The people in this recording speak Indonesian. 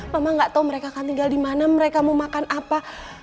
mama gak tahu mereka akan tinggal di mana mereka mau makan apa